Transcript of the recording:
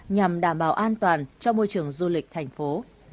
nhằm đảm bảo an toàn cho môi trường du lịch thành phố